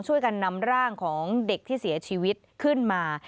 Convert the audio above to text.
ช่วยกันนำร่างของเด็กที่เสียชีวิตขึ้นมา